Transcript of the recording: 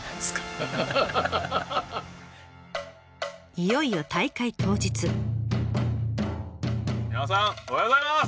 いよいよ皆さんおはようございます。